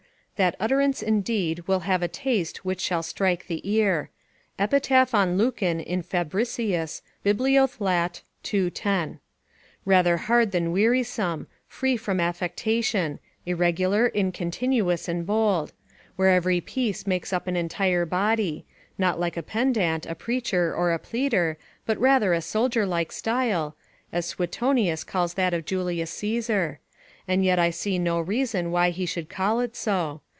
("That utterance indeed will have a taste which shall strike the ear.") Epitaph on Lucan, in Fabricius, Biblioth. Lat., ii. 10.] rather hard than wearisome; free from affectation; irregular, incontinuous, and bold; where every piece makes up an entire body; not like a pedant, a preacher, or a pleader, but rather a soldier like style, as Suetonius calls that of Julius Caesar; and yet I see no reason why he should call it so.